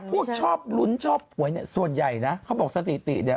ชอบลุ้นชอบหวยเนี่ยส่วนใหญ่นะเขาบอกสถิติเนี่ย